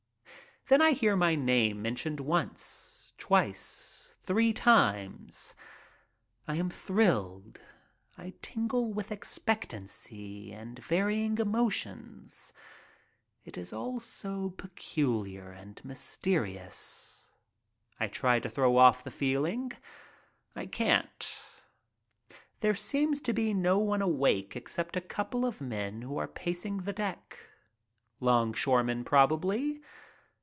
Then I hear my name mentioned once, twice, three times. I am thrilled. I tingle with expectancy and varying emotions. It is all so peculiar and mysterious. I try to throw off the feeling. I can't. There seems to be no one awake except a couple of men who are pacing the deck. Longshoremen, probably.